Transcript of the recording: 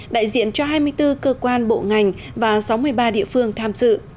đại diện cho hai mươi bốn cơ quan bộ ngành và sáu mươi ba địa phương tham dự